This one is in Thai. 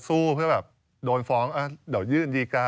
คนอื่นบ้างก็ได้ครับ